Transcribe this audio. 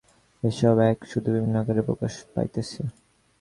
এ-সবই এক, শুধু বিভিন্ন আকারে প্রকাশ পাইতেছে।